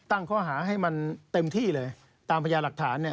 ตั้งข้อหาให้มันเต็มที่เลยตามพญาหลักฐานเนี่ย